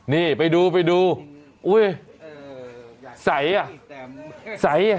นี่ไปดูสายอะสายอะ